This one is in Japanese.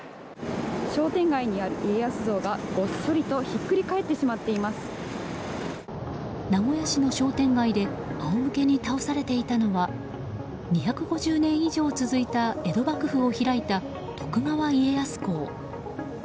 商店街にある家康像がごっそりと名古屋市の商店街で仰向けに倒されていたのは２５０年以上続いた江戸幕府を開いた徳川家康公。